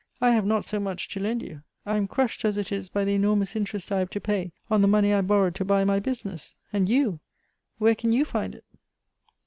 I have not so much to lend you I am crushed as it is by the enormous interest I have to pay on the money I borrowed to buy my business; and you? Where can you find it."